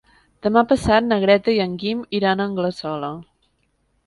Demà passat na Greta i en Guim iran a Anglesola.